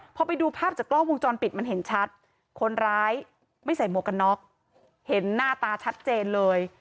พอไปดูภาพจากกล้องวงจรปิดมันเห็นชัดคนร้ายไม่ใส่หมวกกันน็อกเห็นหน้าตาชัดเจนเลย